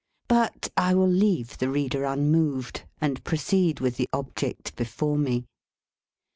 But I will leave the reader unmoved, and proceed with the object before me.